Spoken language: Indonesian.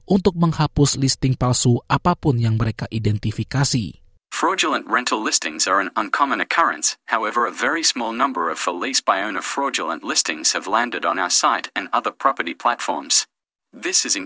untuk menghapus listing palsu apapun yang mereka identifikasi